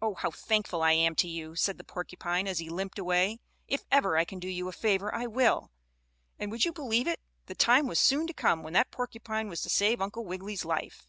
"Oh, how thankful I am to you," said the porcupine, as he limped away. "If ever I can do you a favor I will." And, would you believe it? the time was soon to come when that porcupine was to save Uncle Wiggily's life.